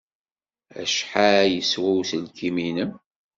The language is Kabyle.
Acḥal yeswa uselkim-nnem?